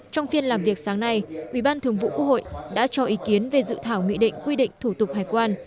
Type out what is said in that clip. trong phiên làm việc sáng nay ủy ban thường vụ quốc hội đã cho ý kiến về dự thảo nghị định quy định thủ tục hải quan